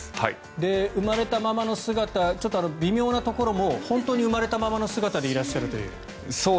生まれたままの姿ちょっと微妙なところも本当に生まれたままの姿でいらっしゃるという。